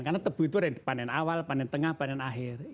karena tebu itu ada yang dipanen awal panen tengah panen akhir